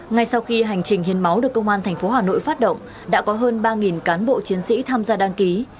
ngay sau khi hành trình hiên máu được công an thành phố hà nội phát động đã có hơn ba cán bộ chiến sĩ tham gia đăng ký